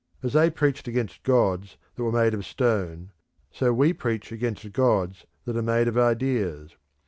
As they preached against gods that were made of stone, so we preach against gods that are made of ideas.